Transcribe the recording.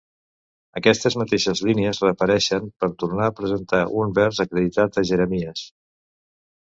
Aquestes mateixes línies reapareixen, per tornar a presentar un vers acreditat a Jeremies.